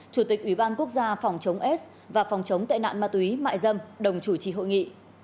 chủ tịch ủy ban quốc gia phòng chống s và phòng chống tệ nạn ma túy mại dâm đồng chủ trì hội nghị